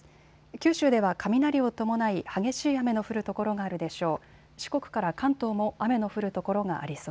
九州では雷を伴い激しい雨の降る所があるでしょう。